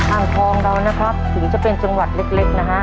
อ่างทองเรานะครับถึงจะเป็นจังหวัดเล็กนะฮะ